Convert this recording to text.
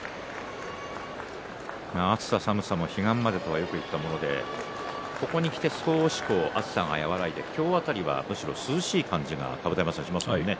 暑さ寒さも彼岸までとはよく言ったものでここにきて、少し暑さが和らいで今日辺りはむしろ涼しい感じがしますよね。